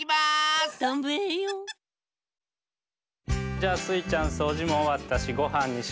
じゃあスイちゃんそうじもおわったしごはんにしましょうか。